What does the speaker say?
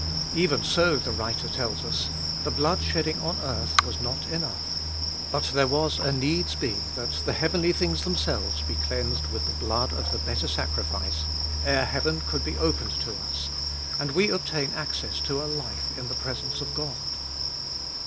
Even so, the writer tells us, the blood shedding on earth was not enough, but there was a needs be that the heavenly things themselves be cleansed with the blood of the better sacrifice, ere heaven could be opened to us, and we obtain access to a life in the presence of God.